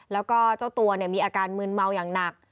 แล้วก็เจ้าตัวมีอาการมืนเมาอย่างหนัก